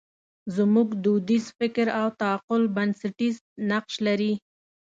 زموږ دودیز فکر او تعقل بنسټیز نقش لري.